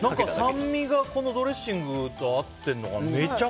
酸味がこのドレッシングと合ってるのかな